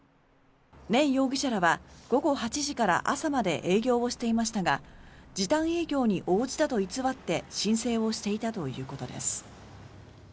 ネン容疑者らは午後８時から朝まで営業をしていましたが時短営業に応じたと偽って申請をしていたということです。